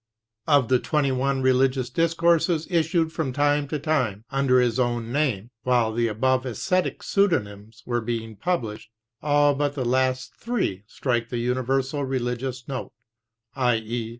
Of the twenty one religious discourses issued from time to time under his own name, while the above esthetic pseudonyms were being published, all but the last three strike the universal religious note, i.e.